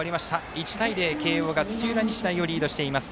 １対０、慶応が土浦日大をリードしています。